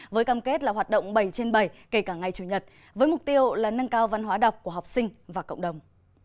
với cam kết là hoạt động bảy trên bảy kể cả ngày chủ nhật với mục tiêu là nâng cao văn hóa đọc của học sinh và cộng đồng